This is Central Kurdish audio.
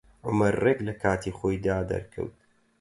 عومەر ڕێک لە کاتی خۆیدا دەرکەوت.